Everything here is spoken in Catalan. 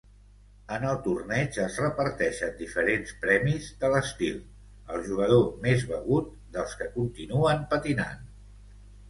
En el torneig es reparteixen diferents premis de l'estil "El jugador més begut dels que continuen patinant".